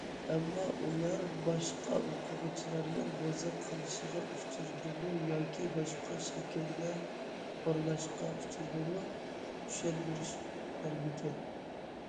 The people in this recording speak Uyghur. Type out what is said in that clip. ئەمما، ئۇلار باشقا ئوقۇغۇچىلارنىڭ بوزەك قىلىشىغا ئۇچرىدىمۇ ياكى باشقا شەكىلدىكى خورلاشقا ئۇچرىدىمۇ چۈشەندۈرۈش بەرمىگەن.